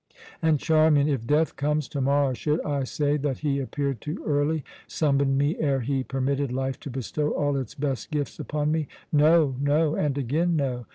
"And, Charmian, if death comes to morrow, should I say that he appeared too early summoned me ere he permitted life to bestow all its best gifts upon me? No, no, and again no!